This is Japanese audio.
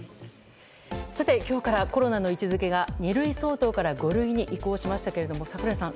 今日からコロナの位置づけが２類相当から５類に移行しましたけれども櫻井さん